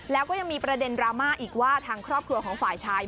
แล้วก็ยังมีประเด็นดราม่าอีกว่าทางครอบครัวของฝ่ายชาย